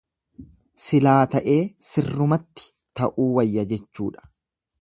Silaa ta'ee sirrumatti ta'uu wayya jechuudha.